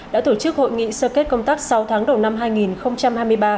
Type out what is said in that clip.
đã tổ chức hội nghị sơ kết công tác sáu tháng đầu năm hai nghìn hai mươi ba